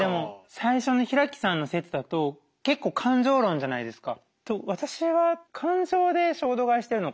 最初の平木さんの説だと結構感情論じゃないですか。